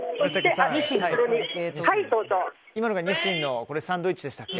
今のがニシンのサンドイッチでしたっけ？